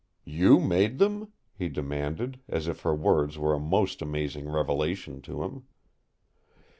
"You made them?" he demanded, as if her words were a most amazing revelation to him.